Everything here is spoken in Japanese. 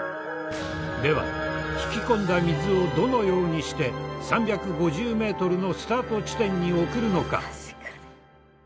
では引き込んだ水をどのようにして３５０メートルのスタート地点に送るのか？